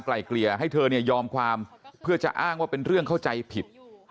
เกลี่ยให้เธอเนี่ยยอมความเพื่อจะอ้างว่าเป็นเรื่องเข้าใจผิด